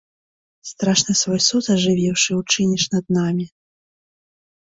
Страшны свой суд, ажывіўшы, учыніш над намі.